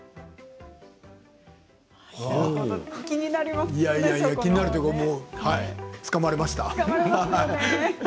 気になるというかつかまれました。